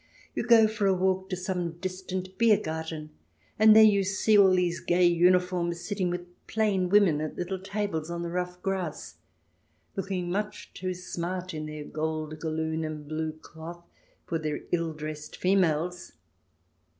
You go for a walk to some distant Bier Garten, and there you see all these gay uniforms sitting with plain women at little tables on the rough grass, looking much too smart in their gold galloon and blue cloth for their ill dressed females.